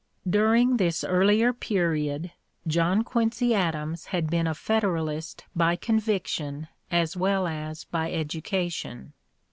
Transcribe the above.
During this earlier period John Quincy Adams had been a Federalist by conviction as well as by education.